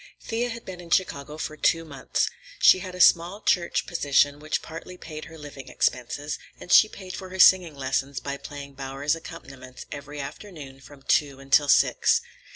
Thea had been in Chicago for two months. She had a small church position which partly paid her living expenses, and she paid for her singing lessons by playing Bowers's accompaniments every afternoon from two until six.